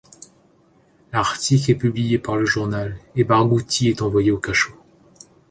L'article est publié par le journal et Barghouti est envoyé au cachot.